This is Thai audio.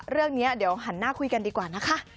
เรื่องนี้เดี๋ยวหันหน้าคุยกันดีกว่านะคะ